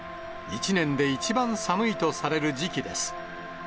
一年で一番寒いとされる時期です。